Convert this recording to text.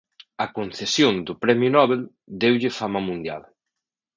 A concesión do premio Nobel deulle fama mundial.